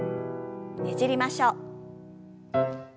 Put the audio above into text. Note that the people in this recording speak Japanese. ねじりましょう。